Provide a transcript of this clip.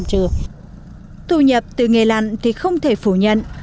thu nhập từ nghề lặn thì không thể phủ nhận